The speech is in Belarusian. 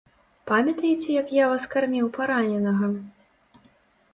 Памятаеце, як я вас карміў параненага?